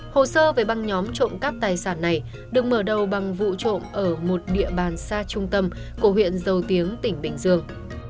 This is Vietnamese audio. hồ sơ về băng nhóm trộm cắp tài sản này được mở đầu bằng vụ trộm ở một địa bàn xa trung tâm của huyện dầu tiếng tỉnh bình dương